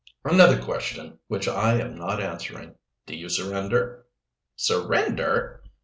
"Another question which I am not answering. Do you surrender?" "Surrender?"